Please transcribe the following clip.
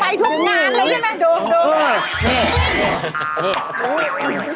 ไปทุกงานเลยใช่ไหม